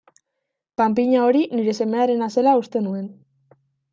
Panpina hori nire semearena zela uste nuen.